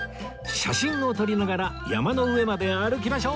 写真を撮りながら山の上まで歩きましょう！